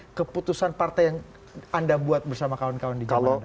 dari keputusan partai yang anda buat bersama kawan kawan di zaman anda